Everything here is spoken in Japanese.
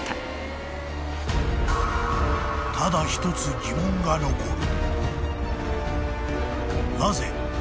［ただ１つ疑問が残る］